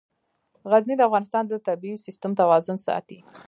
غزني د افغانستان د طبعي سیسټم توازن ساتي.